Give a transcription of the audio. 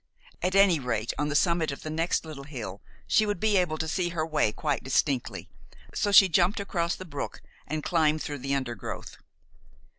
At any rate, on the summit of the next little hill she would be able to see her way quite distinctly, so she jumped across the brook and climbed through the undergrowth.